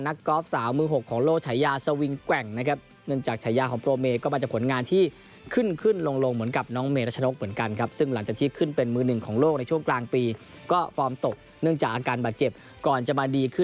เนื่องจากชายาของโปรเมก็มาจากผลงานที่ขึ้นขึ้นลงเหมือนกับน้องเมรรจนกเหมือนกันครับ